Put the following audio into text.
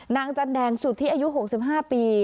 นางจันแดงสุดที่อายุ๖๕ปี